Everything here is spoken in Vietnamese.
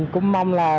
cũng mong là